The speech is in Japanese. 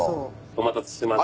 お待たせしました。